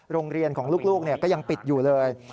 โรงเรียนของลูกก็ยังปิดอยู่เลย